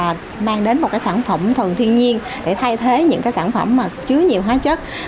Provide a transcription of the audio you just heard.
là mang đến một cái sản phẩm thường thiên nhiên để thay thế những cái sản phẩm mà chứa nhiều hóa chất